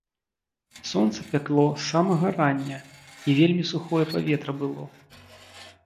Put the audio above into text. Сонца пякло з самага рання, і вельмі сухое паветра было.